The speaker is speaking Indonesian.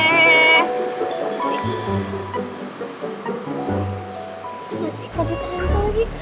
masih mau diantar lantai lagi